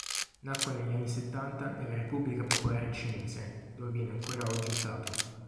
Nacque negli anni settanta nella Repubblica Popolare Cinese, dove viene ancora oggi usato.